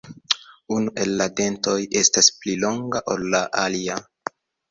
Unu el la dentoj estas pli longa ol la alia.